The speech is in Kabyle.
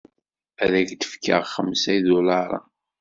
Ad ak-d-fkeɣ xemsa idularen.